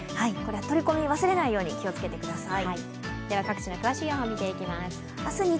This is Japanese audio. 取り込み忘れないように気をつけてください。